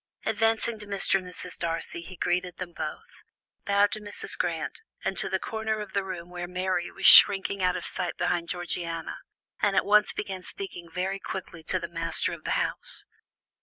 Advancing to Mr. and Mrs. Darcy, he greeted them both, bowed to Mrs. Grant, and to the corner of the room where Mary was shrinking out of sight behind Georgiana, and at once began speaking very quickly to the master of the house.